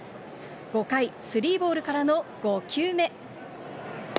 ５回、スリーボールからの５球目。